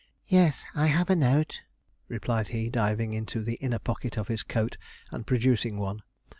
'Yes, I have a note,' replied he, diving into the inner pocket of his coat, and producing one.